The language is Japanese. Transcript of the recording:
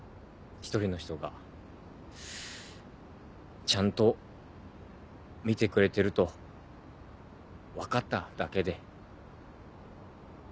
一人の人がちゃんと見てくれてると分かっただけで。